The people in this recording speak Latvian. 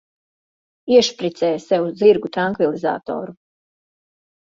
Iešpricē sev zirgu trankvilizatoru.